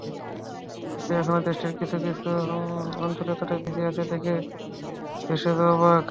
কিন্তু এখনো দেশটির কিছু কিছু অঞ্চল এতটাই পিছিয়ে আছে দেখে তেভেজও অবাক।